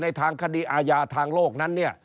ทางคดีอาญาทางโลกนั้นเนี่ย